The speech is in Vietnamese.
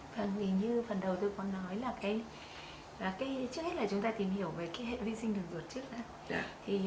vâng như phần đầu tôi có nói là trước hết chúng ta tìm hiểu về hệ vi sinh đường ruột trước